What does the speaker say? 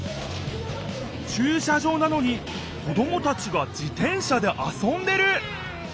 ちゅう車場なのに子どもたちが自転車であそんでる！